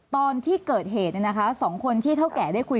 ตอนที่เกิดเหตุ๒คนที่เท่าแก่ได้คุย